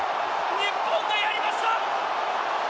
日本がやりました。